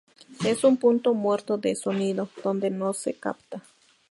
Es un punto muerto de sonido, donde no se capta.